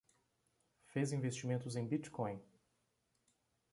Fez investimentos em Bitcoin